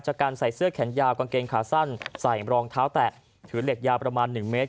การใส่เสื้อแขนยาวกางเกงขาสั้นใส่รองเท้าแตะถือเหล็กยาวประมาณ๑เมตร